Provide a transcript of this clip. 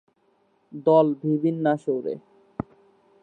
দল V বিন্যাসে ওড়ে।